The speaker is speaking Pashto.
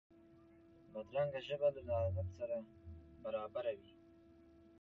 بدرنګه ژبه له لعنت سره برابره وي